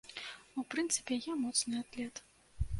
У прынцыпе, я моцны атлет.